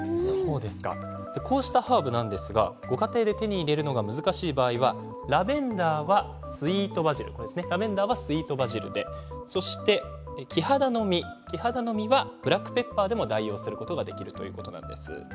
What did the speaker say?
こういったハーブなんですがご家庭で手に入れるのが難しい場合にはラベンダーはスイートバジルキハダの実はブラックペッパーでも代用することができるということです。